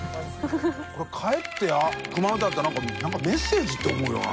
帰って熊の手あったら何かメッセージって思うよな。